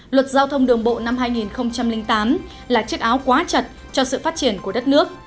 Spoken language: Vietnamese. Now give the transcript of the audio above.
luật giao thông đường bộ năm hai nghìn tám là chiếc áo quá chật cho sự phát triển của đất nước